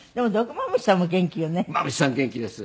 まむしさん元気です。